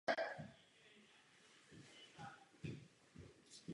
Proto potřebujeme projekt smluvního práva, společný celkový přehled.